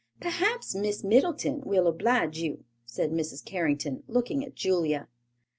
"Perhaps Miss Middleton will oblige you," said Mrs. Carrington, looking at Julia.